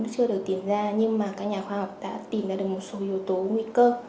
chưa được tìm ra nhưng mà các nhà khoa học đã tìm ra được một số yếu tố nguy cơ